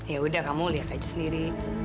ya udah kamu lihat aja sendiri